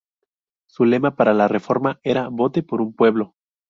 Su lema para la reforma era: "Vote por un pueblo.